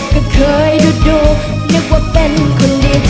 ก็เคยดูนึกว่าเป็นคนดี